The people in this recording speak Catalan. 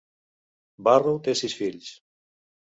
Barrow té sis fills.